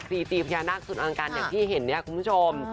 ตีตีพญานาคสุดอังการอย่างที่เห็นเนี่ยคุณผู้ชม